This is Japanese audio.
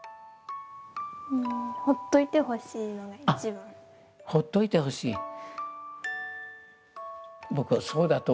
あっほっといてほしい。